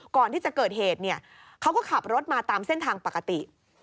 ก่อนที่จะเกิดเหตุเนี่ยเขาก็ขับรถมาตามเส้นทางปกติ